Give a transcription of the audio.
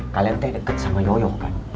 kalian terdekat sama yoyo